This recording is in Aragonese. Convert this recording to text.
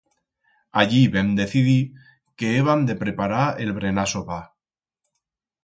Allí vem decidir que hebam de preparar el brenar-sopar.